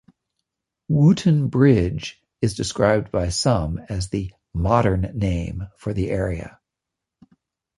"Wootton Bridge" is described by some as the "modern name" for the area.